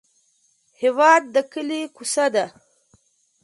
هېواد د کلي کوڅه ده.